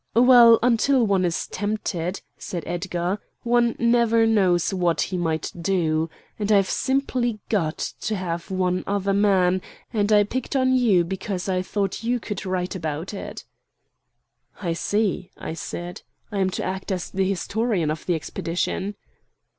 "Well, until one is tempted," said Edgar, "one never knows what he might do. And I've simply got to have one other man, and I picked on you because I thought you could write about it." "I see," I said, "I am to act as the historian of the expedition."